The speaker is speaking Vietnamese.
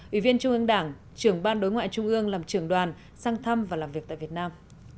ủy viên trung ương đảng trưởng ban đối ngoại trung ương làm trưởng đoàn sang thăm và làm việc tại việt nam